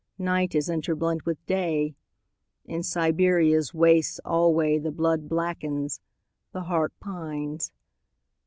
Night is interblent with Day.In Siberia's wastes alwayThe blood blackens, the heart pines.